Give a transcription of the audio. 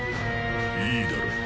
いいだろう。